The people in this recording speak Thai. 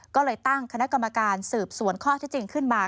ก็เลยตั้งคณะกรรมการสืบสวนข้อที่จริงขึ้นมา